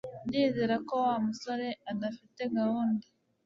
Ndizera ko Wa musore adafite gahunda